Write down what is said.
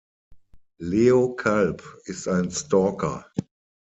Leo Kalb ist ein Stalker.